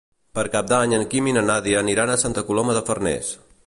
Per Cap d'Any en Guim i na Nàdia aniran a Santa Coloma de Farners.